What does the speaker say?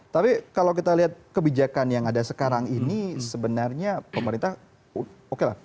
tapi kalau kita lihat kebijakan yang ada sekarang ini sebenarnya pemerintah oke lah